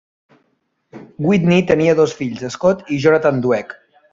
Whitney tenia dos fills, Scott i Jonathan Dweck.